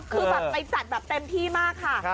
คือไปจัดเต็มที่มากค่ะ